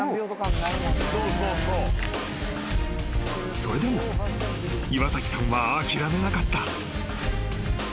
［それでも岩崎さんは諦めなかった］